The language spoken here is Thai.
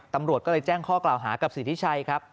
ตำรวจก็เลยแจ้งข้อกล่าวหากับสิทธิชัยครับ